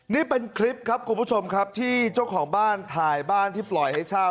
นี่เป็นคลิปครับคุณผู้ชมครับที่เจ้าของบ้านถ่ายบ้านที่ปล่อยให้เช่า